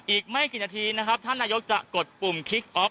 อีกไม่กี่นาทีนะครับท่านนายกจะกดปุ่มคิกออฟ